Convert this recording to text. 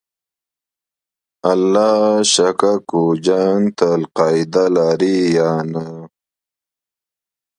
الله شا کوکو جان ته القاعده لرې یا نه؟